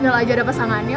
ngelajar ada pasangannya